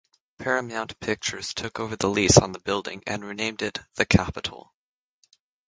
Paramount Pictures took over the lease on the building and renamed it the Capitol.